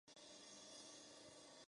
Filipina regresó a vivir con su familia.